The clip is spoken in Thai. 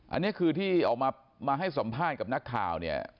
อันนี้คือที่มาให้สัมภาษณ์กับนักข่าว